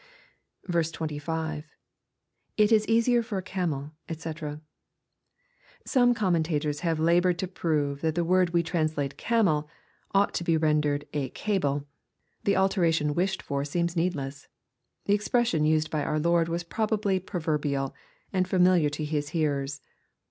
25. — [It is easier for a came\ &c.] Some commentators have labored to prove that the word we translate " camel" ought to be ren dered " a cable." The alteration wished for seems needless. The expression used by our Lord was probably proverbial, and familiar to his hearers.